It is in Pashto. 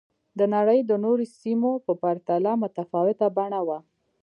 د نړۍ د نورو سیمو په پرتله متفاوته بڼه وه